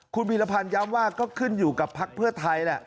คุณพีรพันธ์ย้ำว่าก็ขึ้นอยู่กับภักดิ์เพื่อไทยแหละ